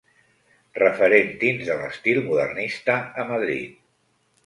Referent dins de l'estil modernista a Madrid.